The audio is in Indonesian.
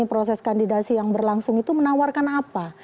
proses kandidasi yang berlangsung itu menawarkan apa